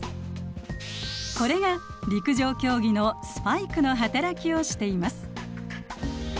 これが陸上競技のスパイクの働きをしています。